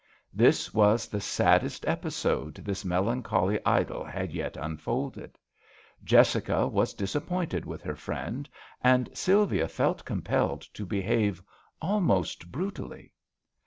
This was the saddest episode this melancholy idyl had yet un folded. Jessica was disappointed with her friend, and Sylvia felt compelled to behave almost brutally.